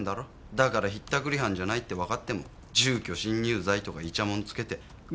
だから引ったくり犯じゃないってわかっても住居侵入罪とかいちゃもんつけて強引に逮捕したわけだ。